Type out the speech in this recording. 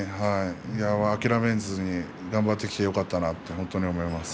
諦めずに頑張ってきてよかったなと本当に思います。